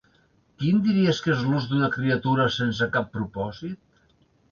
Quin diries que és l'ús d'una criatura sense cap propòsit?